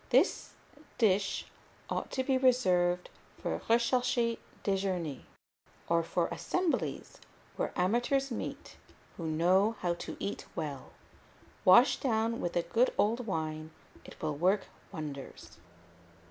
This dish ought to be reserved for recherché déjeûners, or for assemblies where amateurs meet who know how to eat well; washed down with a good old wine, it will work wonders.